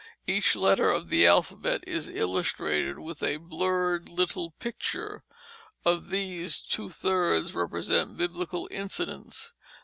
Each letter of the alphabet is illustrated with a blurred little picture. Of these, two thirds represent Biblical incidents.